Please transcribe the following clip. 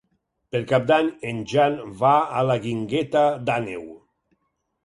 Per Cap d'Any en Jan va a la Guingueta d'Àneu.